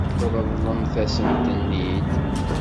Ṛeḍlemt-asent-ten-id.